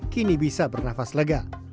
kini bisa bernafas legal